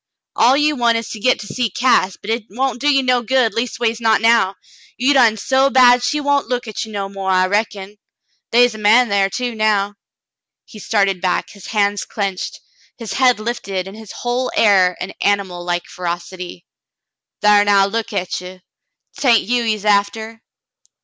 All you want is to git to see Cass, but hit won't do you no good, leastways not now. You done so bad she won't look at ye no more, I reckon. They is a man thar, too, now." He started back, his hands clinched, his head lifted, in his whole air an animal like ferocity. "Thar now, look at ye. 'Tain't you he's after."